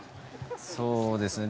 そうですね。